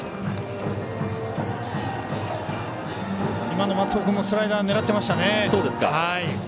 今の松尾君もスライダー、狙ってましたね。